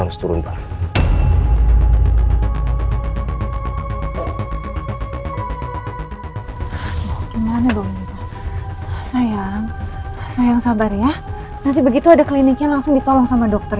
harus turun pak sayang sayang sabar ya nanti begitu ada kliniknya langsung ditolong sama dokter